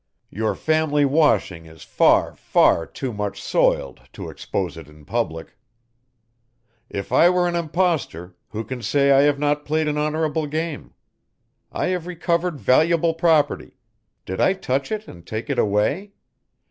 Your family washing is far, far too much soiled to expose it in public. "If I were an impostor, who can say I have not played an honourable game? I have recovered valuable property did I touch it and take it away?